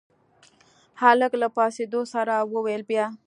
هلک له پاڅېدو سره وويل بيا.